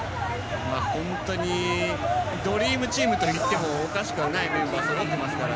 本当にドリームチームと言ってもおかしくないメンバーがそろっていますから。